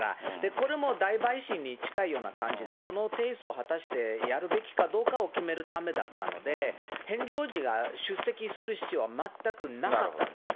これも大陪審に近いような感じで、この提訴を果たしてやるべきかどうかを決めるためだったので、ヘンリー王子が出席する必要は全くなかったんですよ。